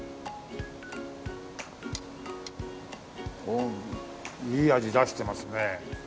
おおいい味出してますね。